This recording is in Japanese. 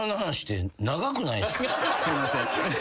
すいません。